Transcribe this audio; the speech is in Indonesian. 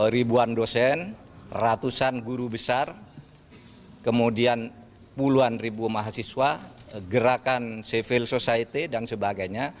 ribuan dosen ratusan guru besar kemudian puluhan ribu mahasiswa gerakan civil society dan sebagainya